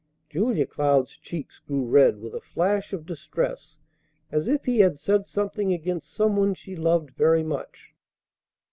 Julia Cloud's cheeks grew red with a flash of distress as if he had said something against some one she loved very much.